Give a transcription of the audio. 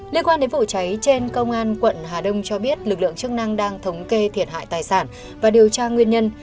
liên quan đến vụ cháy trên công an quận hà đông cho biết lực lượng chức năng đang thống kê thiệt hại tài sản và điều tra nguyên nhân